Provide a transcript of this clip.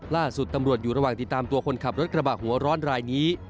ล่าสุดตำรวจอยู่ระหว่างติดตามตัวคนขับรถกระบะหัวร้อนรายนี้